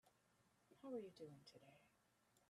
How are you doing today?